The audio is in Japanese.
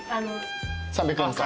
３００円。